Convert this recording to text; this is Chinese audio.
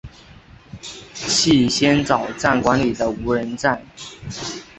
气仙沼站管理的无人站。